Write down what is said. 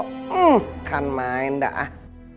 hmm kan main da ah